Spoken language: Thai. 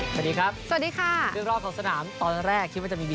สวัสดีครับสวัสดีค่ะเรื่องรอบของสนามตอนแรกคิดว่าจะมี